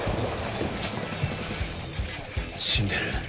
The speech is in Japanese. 死んでる。